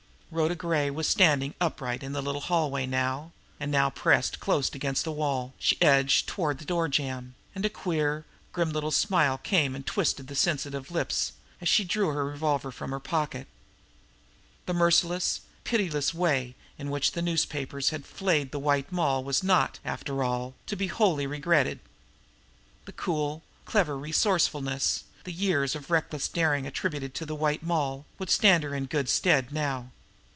Rhoda Gray was standing upright in the little hallway now, and now, pressed close against the wall, she edged toward the door jamb. And a queer, grim little smile came and twisted the sensitive lips, as she drew her revolver from her pocket. The merciless, pitiless way in which the newspapers had flayed the White Moll was not, after all, to be wholly regretted! The cool, clever resourcefulness, the years of reckless daring attributed to the White Moll, would stand her in good stead now.